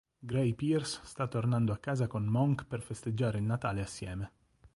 Gray Pierce sta tornando a casa con Monk per festeggiare il Natale assieme.